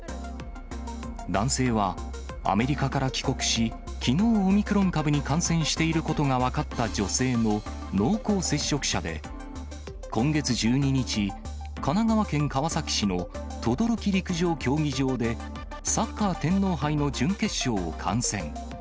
男性はアメリカから帰国し、きのうオミクロン株に感染していることが分かった女性の濃厚接触者で、今月１２日、神奈川県川崎市の等々力陸上競技場で、サッカー天皇杯の準決勝を観戦。